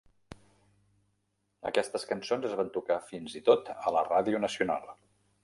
Aquestes cançons es van tocar fins i tot a la ràdio nacional.